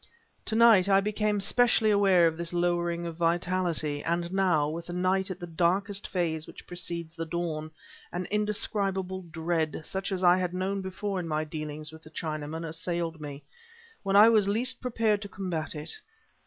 To night I became specially aware of this lowering of vitality, and now, with the night at that darkest phase which precedes the dawn, an indescribable dread, such as I had known before in my dealings with the Chinaman, assailed me, when I was least prepared to combat it.